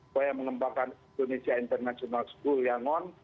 supaya mengembangkan indonesia international school yangon